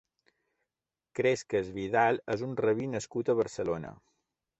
Cresques Vidal és un rabí nascut a Barcelona.